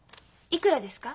いくらですか？